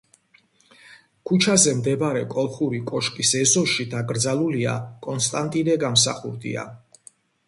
ქუჩაზე მდებარე „კოლხური კოშკის“ ეზოში დაკრძალულია კონსტანტინე გამსახურდია.